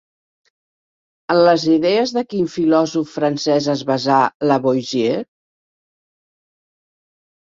En les idees de quin filòsof francès es basà Lavoisier?